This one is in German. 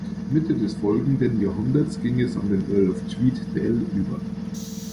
Mitte des folgenden Jahrhunderts ging es an den Earl of Tweeddale über.